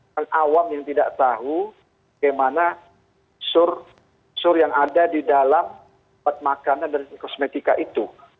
yang awam yang tidak tahu bagaimana sur yang ada di dalam makanan dan kosmetika itu